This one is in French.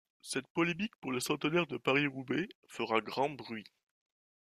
Cette polémique pour le centenaire de Paris-Roubaix fera grand bruit.